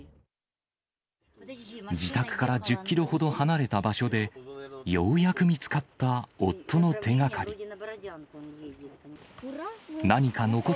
自宅から１０キロほど離れた場所で、ようやく見つかった夫の手がかり。